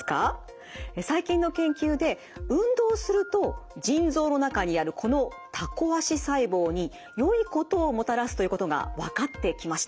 最近の研究で運動すると腎臓の中にあるこのタコ足細胞によいことをもたらすということが分かってきました。